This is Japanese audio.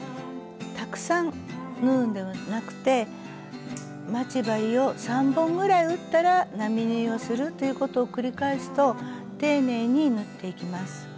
たくさん縫うんではなくて待ち針を３本ぐらい打ったら並縫いをするということを繰り返すと丁寧に縫っていきます。